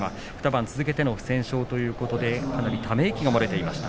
２番続けての不戦勝ということでかなりため息が漏れていました。